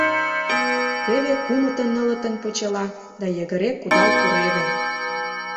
Теве кумытын-нылытын почела да йыгыре кудал пуреве.